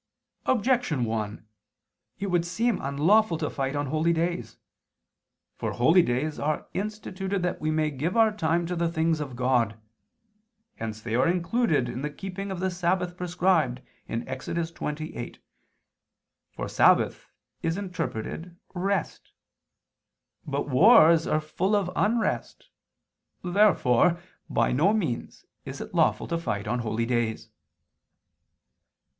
Objection 1: It would seem unlawful to fight on holy days. For holy days are instituted that we may give our time to the things of God. Hence they are included in the keeping of the Sabbath prescribed Ex. 20:8: for "sabbath" is interpreted "rest." But wars are full of unrest. Therefore by no means is it lawful to fight on holy days.